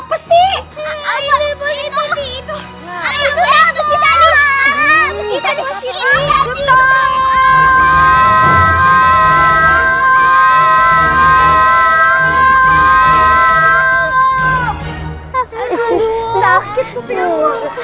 aduh sakit tuh